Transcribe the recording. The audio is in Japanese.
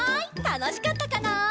たのしかったかな？